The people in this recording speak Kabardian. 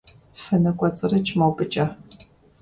ФыныкӀуэцӀрыкӀ мобыкӀэ.